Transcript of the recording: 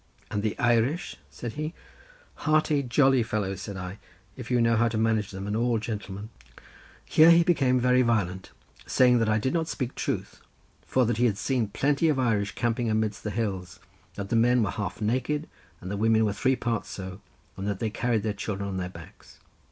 "And the Irish?" said he. "Hearty, jolly fellows," said I, "if you know how to manage them, and all gentlemen." Here he became very violent, saying that I did not speak truth, for that he had seen plenty of Irish camping amidst the hills, that the men were half naked and the women were three parts so, and that they carried their children on their backs.